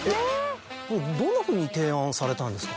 どんなふうに提案されたんですか？